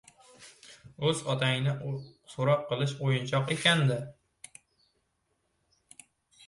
O‘z otangni so‘roq qilish o‘yinchoq ekan- da!